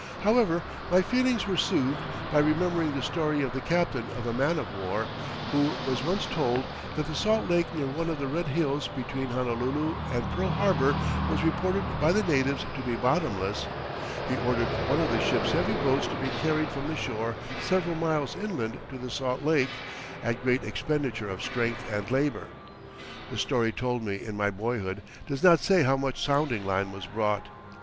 However, my feelings were soothed by remembering the story of the captain of a man of war who was once told that the salt lake near one of the red hills between Honolulu and Pearl Harbor was reported by the natives to be "bottomless." He ordered one of the ship's heavy boats to be carried from the shore several miles inland to the salt lake, at great expenditure of strength and labor. The story told me in my boyhood does not say how much sounding line was brought.